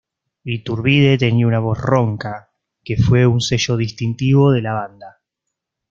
Iturbide tenía una voz ronca, que fue un sello distintivo de la banda.